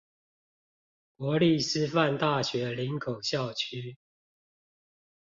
國立師範大學林口校區